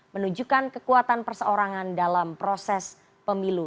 menunjukkan kekuatan perseorangan dalam proses pemilu